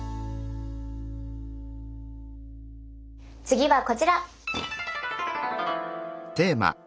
次はこちら。